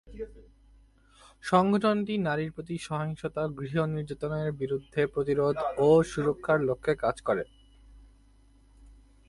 সংগঠনটি নারীর প্রতি সহিংসতা, গৃহ নির্যাতনের বিরুদ্ধে প্রতিরোধ ও সুরক্ষার লক্ষ্যে কাজ করে।